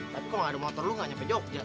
tapi kalau gak ada motor lo gak nyampe jogja